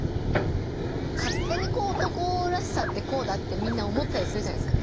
勝手にこう男らしさってこうだってみんな思ったりするじゃないですか。